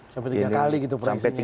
sampai tiga kali gitu prosesnya